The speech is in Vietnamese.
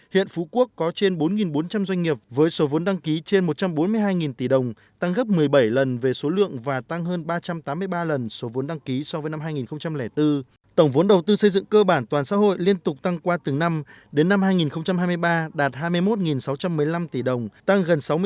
hiện phú quốc có trên bốn bốn trăm linh doanh nghiệp với số vốn đăng ký trên một trăm bốn mươi hai tỷ đồng tăng gấp một mươi bảy lần về số lượng và tăng hơn ba trăm tám mươi ba lần số vốn đăng ký so với năm hai nghìn bốn